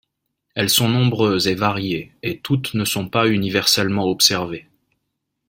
Elles sont nombreuses et variées, et toutes ne sont pas universellement observées.